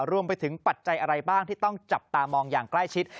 ปัจจัยอะไรบ้างที่ต้องจับตามองอย่างใกล้ชิด